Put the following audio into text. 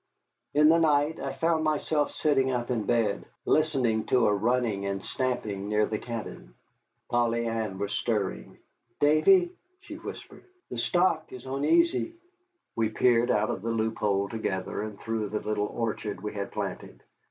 In the night I found myself sitting up in bed, listening to a running and stamping near the cabin. Polly Ann was stirring. "Davy," she whispered, "the stock is oneasy." We peered out of the loophole together and through the little orchard we had planted.